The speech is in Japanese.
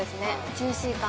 ジューシー感